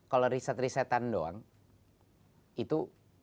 kalau riset risetan doang itu